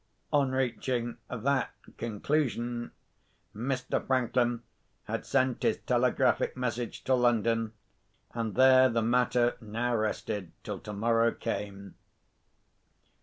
On reaching that conclusion, Mr. Franklin had sent his telegraphic message to London, and there the matter now rested till tomorrow came.